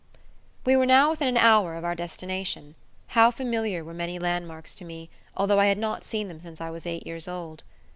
We were now within an hour of our destination. How familiar were many landmarks to me, although I had not seen them since I was eight years old.